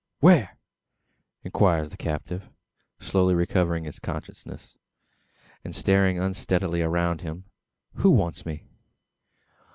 where?" inquires the captive, slowly recovering consciousness, and staring unsteadily around him. "Who wants me?"